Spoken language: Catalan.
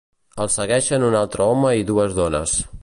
El segueixen un altre home i dues dones.